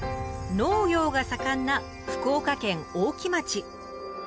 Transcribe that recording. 農業が盛んな福岡県大木町。